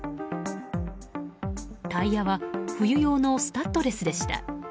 タイヤは冬用のスタッドレスでした。